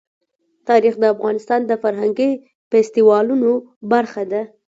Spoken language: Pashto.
تاریخ د افغانستان د فرهنګي فستیوالونو برخه ده.